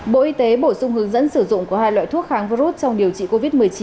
bộ y tế bổ sung hướng dẫn sử dụng của hai loại thuốc kháng virus trong điều trị covid một mươi chín